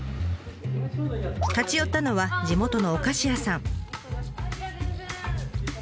立ち寄ったのは地元のお菓子屋さん。